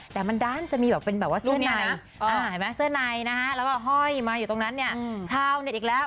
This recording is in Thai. แต่มันด้านจะมีแบบเป็นแบบว่าเสื้อในนะฮะห้อยมาอยู่ตรงนั้นเนี่ยเช่าเน็ตอีกแล้ว